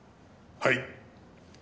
はい。